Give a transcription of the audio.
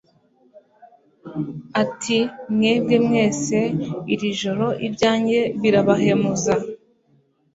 ati: "Mwebwe mwese iri joro ibyanjye birabahemuza,